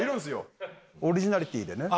オリジナリティーでね。